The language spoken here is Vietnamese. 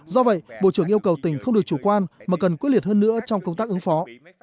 do vậy bộ trưởng yêu cầu tỉnh không được chủ quan mà cần quyết liệt hơn nữa trong công tác ứng phó